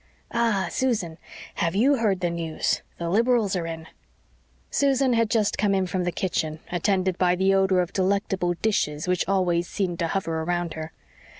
Ah, Susan, have YOU heard the news? The Liberals are in." Susan had just come in from the kitchen, attended by the odor of delectable dishes which always seemed to hover around her.